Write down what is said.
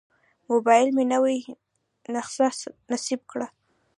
موبایل مې نوې نسخه نصب کړه.